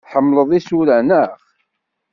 Tḥemmlem isura, naɣ?